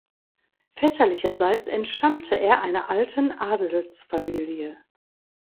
Väterlicherseits entstammte er einer alten Adelsfamilie.